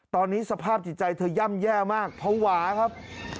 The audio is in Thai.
ตอนนี้สภาพจิตใจเธอย่ำแย่มากภาวะครับ